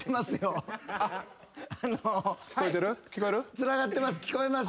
つながってます。